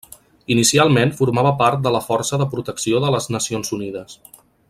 Inicialment formava part de la Força de Protecció de les Nacions Unides.